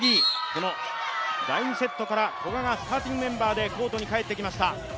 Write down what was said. この第２セットから古賀がスターティングメンバーでコートに帰ってきました。